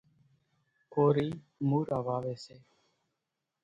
ڪورِي مورا واويَ سي۔